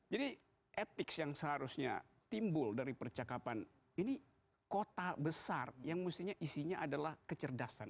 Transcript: jadi ethics yang seharusnya timbul dari percakapan ini kota besar yang musnah isinya adalah kecerdasan